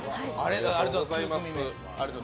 ありがとうございます。